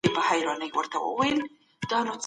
که ته په خلقت کې فکر وکړې نو ایمان به دې پیاوړی شي.